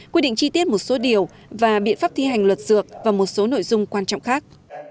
quy định chi tiết một số điều và biện pháp thi hành luật dược và một số nội dung quan trọng khác